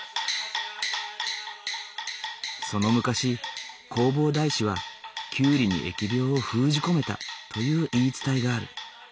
その昔弘法大師はキュウリに疫病を封じ込めたという言い伝えがある。